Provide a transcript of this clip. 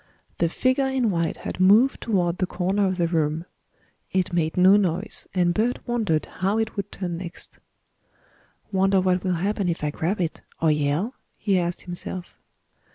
The figure in white had moved toward the corner of the room. It made no noise and Bert wondered how it would turn next. "Wonder what will happen if I grab it, or yell?" he asked himself.